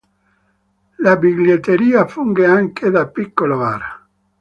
La biglietteria funge anche da piccolo bar.